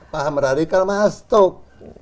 paham radikal mastuk